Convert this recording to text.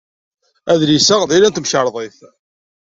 Adlis-a d ayla n temkarḍit.